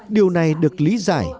điều này được lý giải